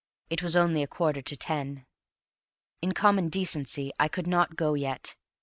It was only a quarter to ten. In common decency I could not go yet.